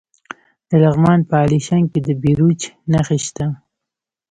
د لغمان په الیشنګ کې د بیروج نښې شته.